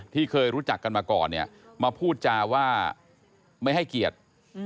ที่เคยรู้จักกันมาก่อนเนี่ยมาพูดจาว่าไม่ให้เกียรติ